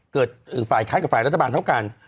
ฝ่ายค้านกับฝ่ายรัฐบาลเท่ากัน